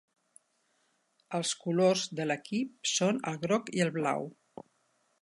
Els colors de l'equip són el groc i el blau.